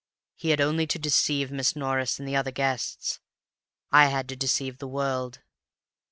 He had only to deceive Miss Norris and the other guests; I had to deceive the world.